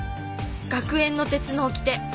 学園の鉄のおきて。